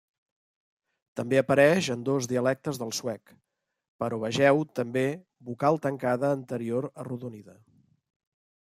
També apareix en dos dialectes del suec, però vegeu també Vocal tancada anterior arrodonida.